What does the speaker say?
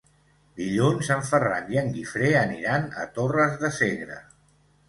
Dilluns en Ferran i en Guifré aniran a Torres de Segre.